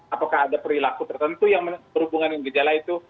apakah ada perilaku tertentu yang berhubungan dengan gejala itu